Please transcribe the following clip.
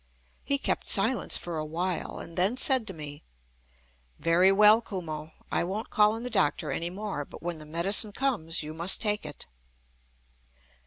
He kept silence for a while, and then said to me: "Very well, Kumo. I won't call in the doctor any more. But when the medicine comes you must take it."